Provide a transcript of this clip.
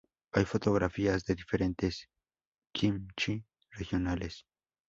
Hay fotografías de diferentes kimchi regionales.